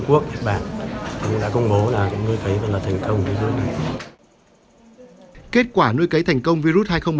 quốc nhật bản cũng đã công bố là nuôi cấy vẫn là thành công kết quả nuôi cấy thành công virus hai nghìn một mươi chín